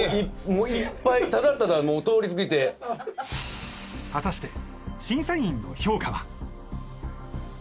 もういっぱいただただもう通り過ぎて果たして審査員の評価は？